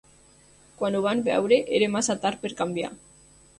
Quan ho van veure, era massa tard per canviar.